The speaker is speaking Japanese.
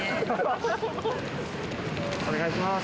お願いします。